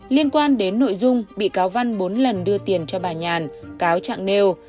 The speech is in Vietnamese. liên quan đến nội dung bị cáo văn bốn lần đưa tiền cho bà nhàn cáo trạng nêu